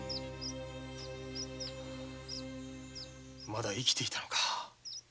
まだ生きていたのか。